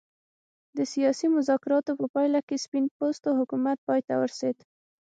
د سیاسي مذاکراتو په پایله کې سپین پوستو حکومت پای ته ورسېد.